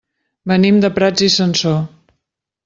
Venim de Prats i Sansor.